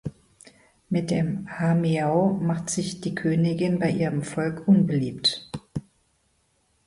Mit dem "hameau" machte sich die Königin bei ihrem Volk unbeliebt.